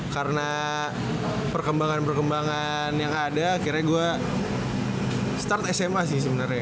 karena perkembangan perkembangan yang ada akhirnya gua start sma sih sebenernya